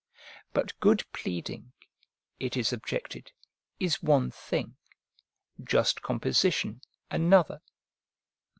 But good pleading, it is objected, is one thing, just composition another.